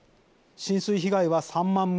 浸水被害は３万棟。